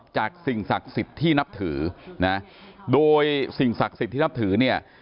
สิ่งศักดิ์สิทธิ์ที่นับถือนะโดยสิ่งศักดิ์สิทธิ์ที่นับถือเนี่ย